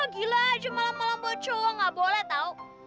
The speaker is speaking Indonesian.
gila aja malam malam buat cowok gak boleh tuh